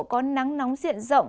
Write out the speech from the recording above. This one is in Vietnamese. có nắng nóng diện rộng